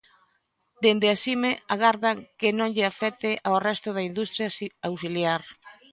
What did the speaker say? Dende Asime agardan que non lle afecte ao resto da industria auxiliar.